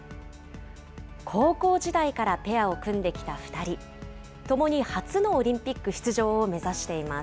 高校時代からペアを組んできた２人、ともに初のオリンピック出場を目指しています。